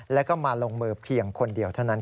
แล้วก็มาลงมือเพียงคนเดียวเท่านั้น